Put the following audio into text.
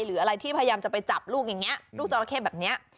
หรืออะไรที่พยายามจะไปจับลูกอย่างนี้ลูกจราเข้แบบนี้